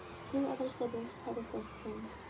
Two other siblings predeceased him.